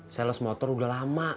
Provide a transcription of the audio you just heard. sales motor udah lama